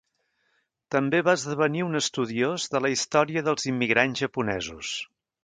També va esdevenir un estudiós de la història dels immigrants japonesos.